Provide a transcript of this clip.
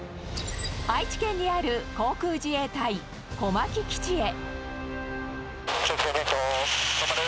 愛知県にある航空自衛隊小牧基地へ。